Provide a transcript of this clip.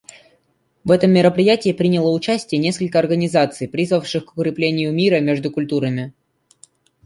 В этом мероприятии приняло участие несколько организаций, призвавших к укреплению мира между культурами.